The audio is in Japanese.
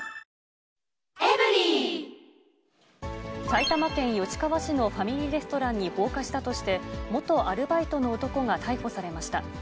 埼玉県吉川市のファミリーレストランに放火したとして、元アルバイトの男が逮捕されました。